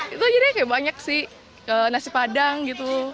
itu akhirnya banyak sih nasi padang gitu